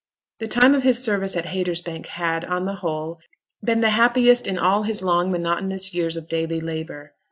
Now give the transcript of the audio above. The time of his service at Haytersbank had, on the whole, been the happiest in all his long monotonous years of daily labour.